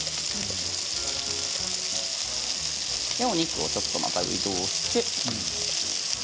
お肉をちょっとまた移動して。